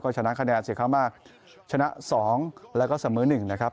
ชนะคะแนนเสียงข้างมากชนะ๒แล้วก็เสมอ๑นะครับ